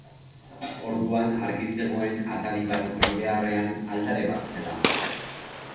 Orduan argi zegoen atari bat izan beharrean, aldare bat zela.